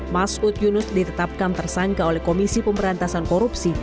masud yunus ditetapkan tersangka oleh komisi pemberantasan korupsi